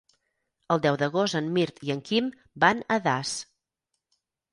El deu d'agost en Mirt i en Quim van a Das.